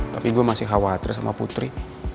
tapi gue masih khawatir sama putri